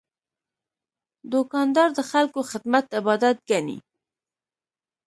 دوکاندار د خلکو خدمت عبادت ګڼي.